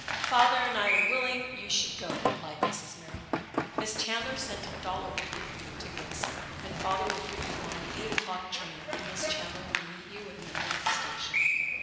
"Father and I are willing you should go," replied Mrs. Merrill. "Miss Chandler sent a dollar to pay for your tickets, and Father will put you on the eight o'clock train and Miss Chandler will meet you in the North Station."